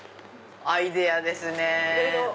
アイデアですね。